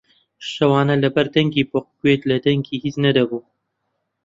شەوانە لەبەر دەنگی بۆق گوێت لە دەنگی هیچ نەدەبوو